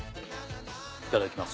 いただきます。